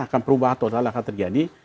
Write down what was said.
akan perubahan total yang akan terjadi